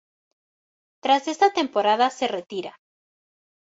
Tras esta temporada se retira.